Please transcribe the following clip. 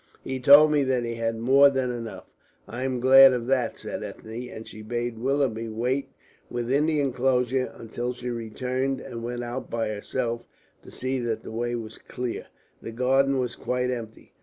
He told me that he had more than enough." "I am glad of that," said Ethne, and she bade Willoughby wait within the enclosure until she returned, and went out by herself to see that the way was clear. The garden was quite empty.